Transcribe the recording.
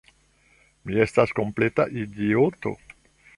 Mi estas kompleta idioto!